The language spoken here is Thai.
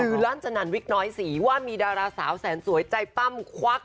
คือลั่นจนันวิกน้อยสีว่ามีดาราสาวแสนสวยใจปั้มควัก